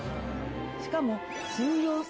しかも。